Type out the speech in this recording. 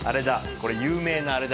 これ有名なあれだ。